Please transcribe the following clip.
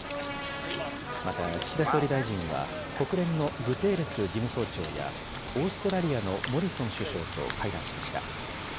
また岸田総理大臣は、国連のグテーレス事務総長や、オーストラリアのモリソン首相と会談しました。